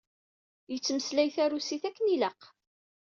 Yettmeslay tarusit akken ilaq.